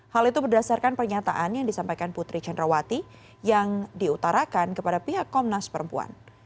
hal itu berdasarkan pernyataan yang disampaikan putri cendrawati yang diutarakan kepada pihak komnas perempuan